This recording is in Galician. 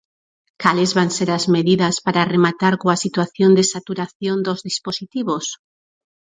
¿Cales van ser as medidas para rematar coa situación de saturación dos dispositivos?